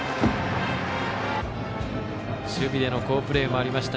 守備での好プレーもありました。